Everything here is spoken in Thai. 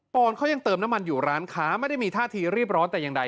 อนเขายังเติมน้ำมันอยู่ร้านค้าไม่ได้มีท่าทีรีบร้อนแต่อย่างใด